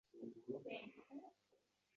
Nega, jinnivoy?